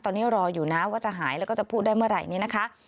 ตอนนี้รออยู่นะว่าจะหายแล้วก็จะพูดได้เมื่อไหร่นี้นะคะ